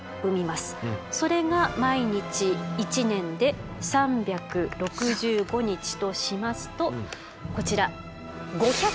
それが毎日１年で３６５日としますとこちら。